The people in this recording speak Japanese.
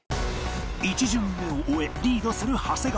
１巡目を終えリードする長谷川